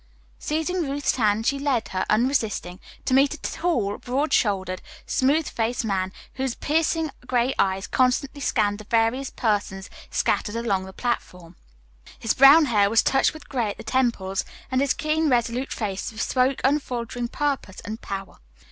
Seizing Ruth's hand, she led her, unresisting, to meet a tail, broad shouldered, smooth faced man, whose piercing gray eyes constantly scanned the various persons scattered along the platform. His brown hair was touched with gray at the temples, and his keen, resolute face bespoke unfaltering purpose and power.